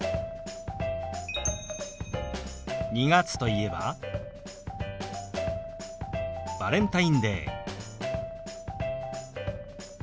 ２月といえば「バレンタインデー」。